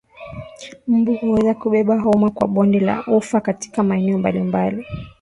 Mbu huweza kubeba homa ya bonde la ufa katika maeneo mbalimbali